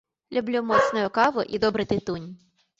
Люблю моцную каву і добры тытунь.